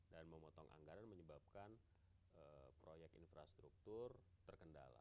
dan memotong anggaran menyebabkan proyek infrastruktur terkendala